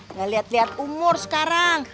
nggak liat liat umur sekarang